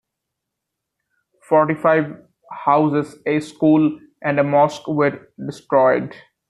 Forty-five houses, a school, and a mosque were destroyed.